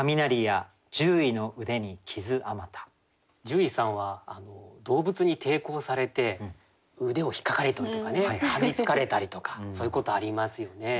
獣医さんは動物に抵抗されて腕をひっかかれたりとかねかみつかれたりとかそういうことありますよね。